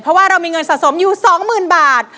เพราะว่าเรามีเงินสะสมอยู่๒๐๐๐บาท